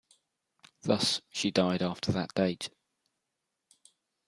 Thus, she died after that date.